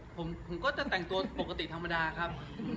ผมก็จะแต่งตัวปกติธรรมดาครับ